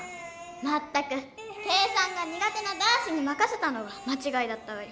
まったく計算がにが手な男子にまかせたのがまちがいだったわよ。